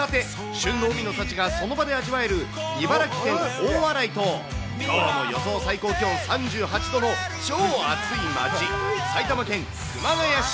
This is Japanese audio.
旬の海の幸がその場で味わえる、茨城県大洗と、きょうも予想最高気温３８度の超暑い街、埼玉県熊谷市。